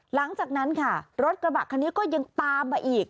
หลังจากนั้นค่ะรถกระบะคันนี้ก็ยังตามมาอีก